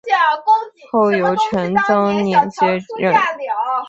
后由陈增稔接任。